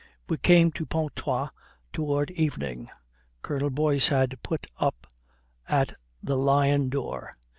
We came to Pontoise towards evening. Colonel Boyce had put up at the Lion d'Or.